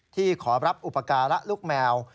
ขอรับอุปการะลูกแมว